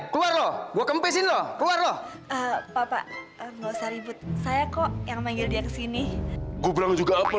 keluar loh keluar loh papa saya kok yang manggil dia kesini gue juga apa